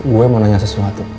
gue mau nanya sesuatu